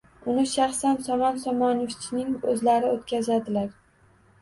Uni shaxsan Somon Somonovichning o`zlari o`tkazadilar